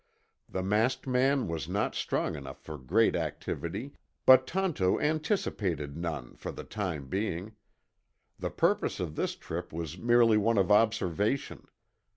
The masked man was not strong enough for great activity, but Tonto anticipated none for the time being. The purpose of this trip was merely one of observation.